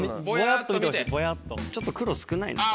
ちょっと黒少ない。